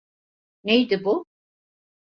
Neydi bu?